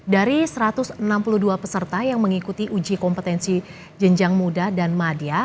dari satu ratus enam puluh dua peserta yang mengikuti uji kompetensi jenjang muda dan madya